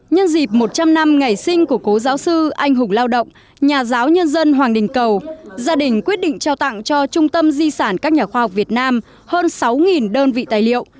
nhân dịp một trăm linh năm ngày sinh của cố giáo sư anh hùng lao động nhà giáo nhân dân hoàng đình cầu gia đình quyết định trao tặng cho trung tâm di sản các nhà khoa học việt nam hơn sáu đơn vị tài liệu